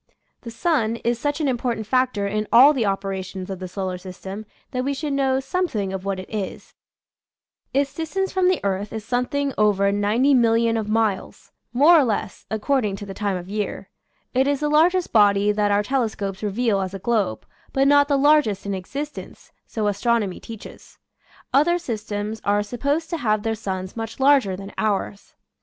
The sun is such an important factor in all the operations of the solar system that we should know some thing of what it is. Its distance from the earth (~~|, Original from :{<~ UNIVERSITY 0FWISC0NSIN 156 nature's fl&iraclea. is something over 90,000,000 of miles, more or less, according to the time of year. It is the largest body that our telescopes reveal as a globe, but not the largest in existence, so as tronomy teaches. Other systems are supposed to have their suns much larger than ours.